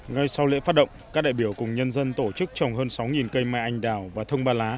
ngay sau lễ phát động các đại biểu cùng nhân dân tổ chức trồng hơn sáu cây mai anh đào và thông ba lá